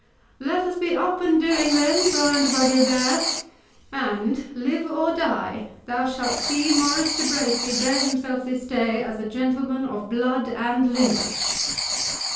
Let us up and be doing, then, Brian de Bois Guilbert; and, live or die, thou shalt see Maurice de Bracy bear himself this day as a gentleman of blood and lineage."